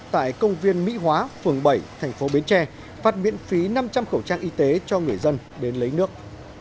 tại công viên mỹ hóa phường bảy thành phố bến tre phát miễn phí năm trăm linh khẩu trang y tế cho người dân đến lấy nước